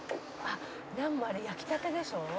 「ナンもあれ焼きたてでしょう？」